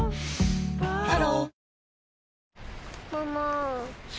ハロー